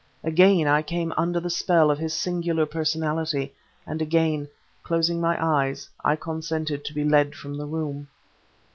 Again I came under the spell of his singular personality, and again, closing my eyes, I consented to be led from the room.